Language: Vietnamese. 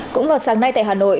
cũng vào sáng nay tại hà nội